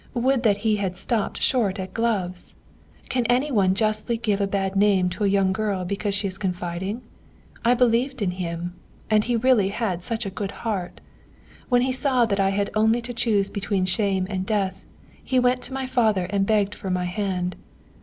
Would that he had stopped short at gloves! Can any one justly give a bad name to a young girl because she is confiding? I believed in him! And he really had such a good heart. When he saw that I had only to choose between shame and death, he went to my father and begged for my hand.